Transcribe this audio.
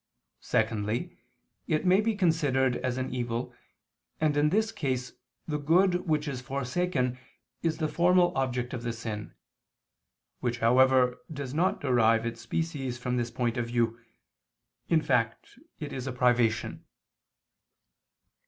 Secondly, it may be considered as an evil, and in this case the good which is forsaken is the formal object of the sin; which however does not derive its species from this point of view, in fact it is a privation.